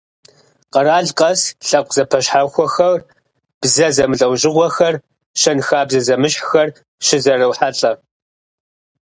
Къэрал къэс лъэпкъ зэпэщхьэхуэхэр, бзэ зэмылӏэужьыгъуэхэр, щэнхабзэ зэмыщхьхэр щызэрохьэлӏэ.